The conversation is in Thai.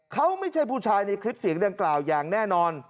เขาไม่ใช่ผู้ชายในคลิปเสียงดังกล่าวอย่างแน่นอน